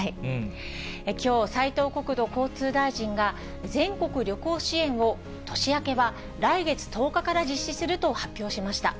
きょう、斉藤国土交通大臣が、全国旅行支援を年明けは来月１０日から実施すると発表しました。